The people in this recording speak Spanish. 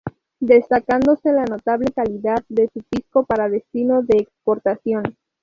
Destacándose la notable calidad de su pisco para destino de exportación.